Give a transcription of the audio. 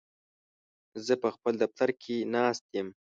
زه په خپل دفتر کې ناست یم.